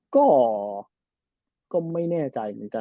ก็ไม่แน่ใจเหมือนกัน